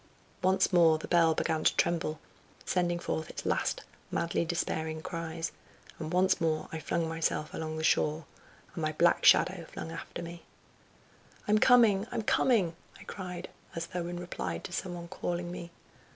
Once more the bell began to tremble, sending forth its last madly despairing cries, and once more I flung myself along the shore, and my black shadow flung after me. "I'm coming, I'm coming!" I cried, as though in reply to some one calling me.